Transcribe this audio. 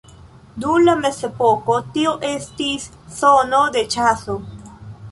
Dum la Mezepoko tiu estis zono de ĉaso.